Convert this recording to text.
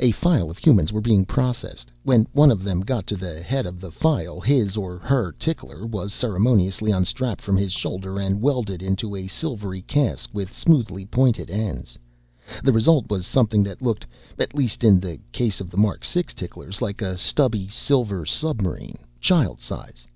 A file of humans were being processed. When one of them got to the head of the file his (or her) tickler was ceremoniously unstrapped from his shoulder and welded onto a silvery cask with smoothly pointed ends. The result was something that looked at least in the case of the Mark 6 ticklers like a stubby silver submarine, child size.